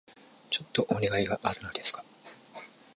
ちょっとお願いがあるのですが...